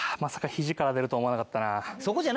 肘から出ると思わなかったな。